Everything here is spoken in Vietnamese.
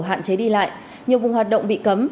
hạn chế đi lại nhiều vùng hoạt động bị cấm